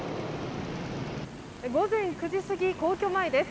午前９時過ぎ皇居前です。